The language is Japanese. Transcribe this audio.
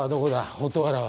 蛍原は。